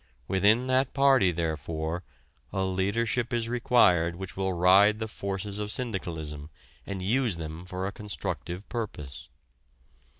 Within that party, therefore, a leadership is required which will ride the forces of "syndicalism" and use them for a constructive purpose.